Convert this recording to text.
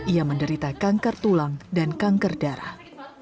ia menderita kanker tulang dan kanker darah